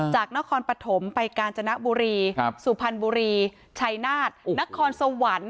จากนครปฐมไปกาญจนบุรีสุพรรณบุรีชัยนาฏนครสวรรค์